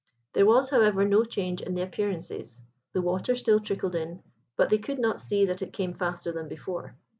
There was, however, no change in the appearances; the water still trickled in, but they could not see that it came faster than before.